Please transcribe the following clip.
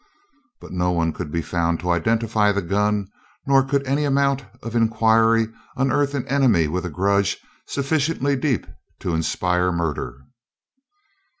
But no one could be found to identify the gun, nor could any amount of inquiry unearth an enemy with a grudge sufficiently deep to inspire murder.